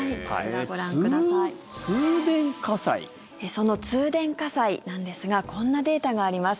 その通電火災なんですがこんなデータがあります。